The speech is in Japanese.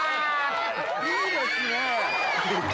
いいですね！